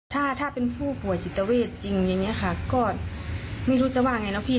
ถ้าถ้าเป็นผู้ป่วยจิตเวทจริงอย่างนี้ค่ะก็ไม่รู้จะว่าไงเนาะพี่